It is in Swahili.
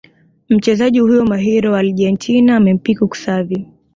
Mchezaji huyo mahiri wa Argentina amempiku Xavi